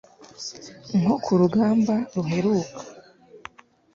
nko ku rugamba ruheruka